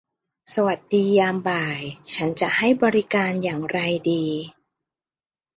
สวัสดียามบ่ายฉันจะให้บริการอย่างไรดี ?